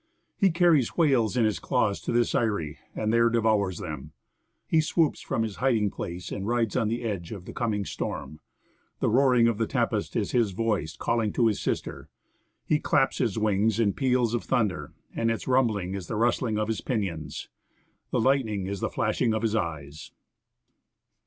"He carries whales in his claws 'to this eyrie, and there de vours them. He swoops from his hiding place and rides on the edge of the coming storm. The roaring of the tempest is his ^ The Century Magazt?ie, July, 1882. 40 FROM JUNEAU TO YAKUTAT voice calling to his sister. He claps his wings in peals of thunder, and its rumbling is the rustling of his pinions. The lightning is the flashing of his eyes."